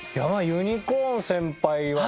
ユニコーン先輩はね